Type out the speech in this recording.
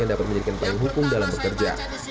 yang dapat menjadikan penghubung dalam bekerja